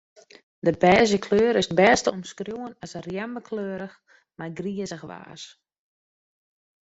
De bêzje kleur is it bêst te omskriuwen as rjemmekleurich mei in grizich waas.